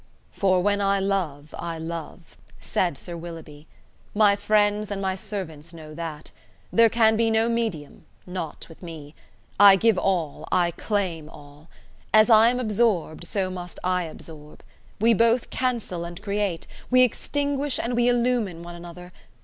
"For when I love I love," said Sir Willoughby; "my friends and my servants know that. There can be no medium: not with me. I give all, I claim all. As I am absorbed, so must I absorb. We both cancel and create, we extinguish and we illumine one another.